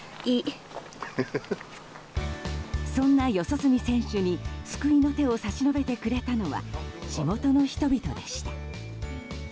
そんな四十住選手に救いの手を差し伸べてくれたのは地元の人々でした。